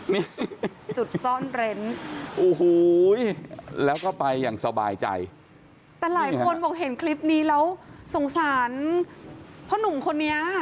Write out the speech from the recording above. นี่จุดซ่อนเร้นโอ้โหแล้วก็ไปอย่างสบายใจแต่หลายคนบอกเห็นคลิปนี้แล้วสงสารพ่อหนุ่มคนนี้